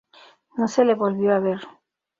No se le volvió a ver.